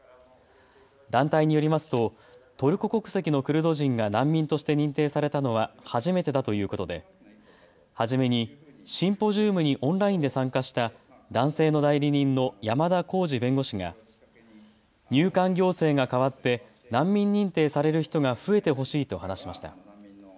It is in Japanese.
団体によりますとトルコ国籍のクルド人が難民として認定されたのは初めてだということで初めにシンポジウムにオンラインで参加した男性の代理人の山田幸司弁護士が入管行政が変わって難民認定される人が増えてほしいと話しました。